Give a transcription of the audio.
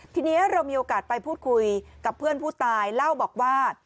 ทีนี้เรามีโอกาสไปพูดคุยกับเพื่อนผู้ตายเล่าบอกว่า